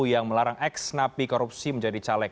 yang melarang eks nabi korupsi menjadi caleg